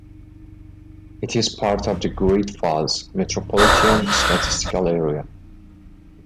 It is part of the Great Falls Metropolitan Statistical Area.